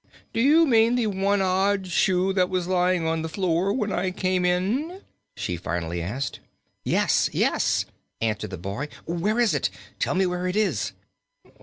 "Do you mean the one odd shoe that was lying on the floor when I came in?" she finally asked. "Yes yes!" answered the boy. "Where is it? Tell me where it is!"